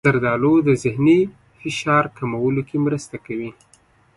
زردالو د ذهني فشار کمولو کې مرسته کوي.